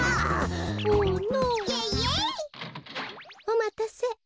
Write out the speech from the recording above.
おまたせ。